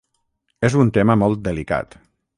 És un tema molt delicat.